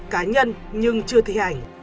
cá nhân nhưng chưa thi hành